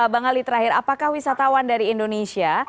bang ali terakhir apakah wisatawan dari indonesia